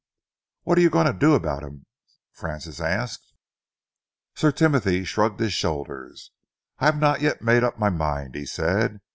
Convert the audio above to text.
"What are you going to do about him?" Francis asked. Sir Timothy shrugged his shoulders. "I have not yet made up my mind," he said.